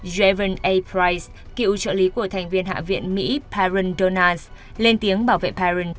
jeven a price cựu trợ lý của thành viên hạ viện mỹ perron donals lên tiếng bảo vệ perron